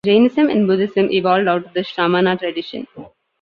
Jainism and Buddhism evolved out of the Shramana tradition.